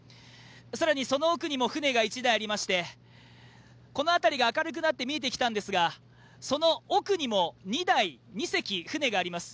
更にその奥にも船が１台ありましてこの辺りが明るくなって見えてきたんですが、その奥にも２隻船があります。